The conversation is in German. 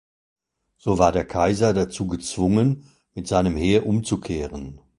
So war der Kaiser dazu gezwungen, mit seinem Heer umzukehren.